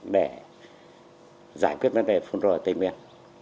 để giải quyết vấn đề phun rô tây nguyên